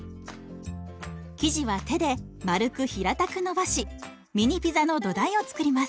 生地は手で丸く平たくのばしミニピザの土台を作ります。